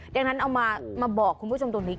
ดังนั้นเอามาบอกคุณผู้ชมตรงนี้